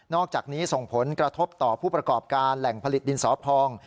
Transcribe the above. อกจากนี้ส่งผลกระทบต่อผู้ประกอบการแหล่งผลิตดินสอพอง